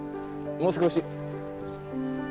もう少し。